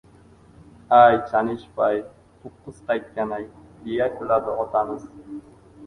— Ay, Chanishev-ay! To‘qqiz qaytgan-ay! — deya kuladi otamiz.